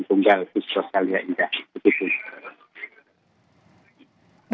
tunggal di sosial jahid